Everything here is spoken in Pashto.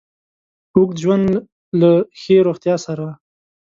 اوږد ژوند له له ښې روغتیا سره